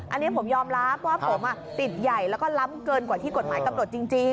อันนี้ผมยอมรับว่าผมติดใหญ่แล้วก็ล้ำเกินกว่าที่กฎหมายกำหนดจริง